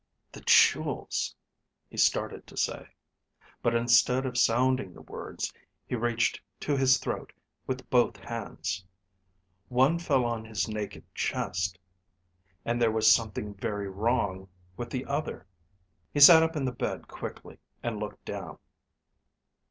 "The jewels ..." he started to say, but instead of sounding the words, he reached to his throat with both hands. One fell on his naked chest. And there was something very wrong with the other. He sat up in the bed quickly, and looked down.